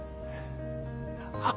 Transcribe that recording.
あっ！